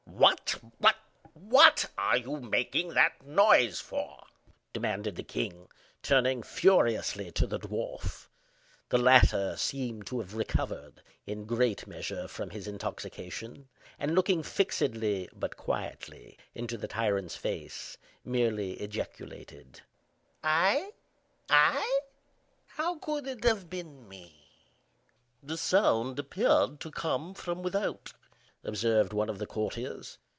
"What—what—what are you making that noise for?" demanded the king, turning furiously to the dwarf. The latter seemed to have recovered, in great measure, from his intoxication, and looking fixedly but quietly into the tyrant's face, merely ejaculated: "I—I? How could it have been me?" "The sound appeared to come from without," observed one of the courtiers.